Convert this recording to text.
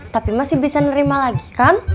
tapi masih bisa nerima lagi kan